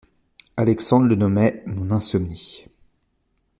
Alexandre le nommait : mon insomnie.